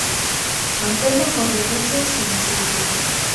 Nampenda kwa vyovyote, simshuku.